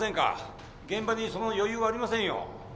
現場にその余裕はありませんよ。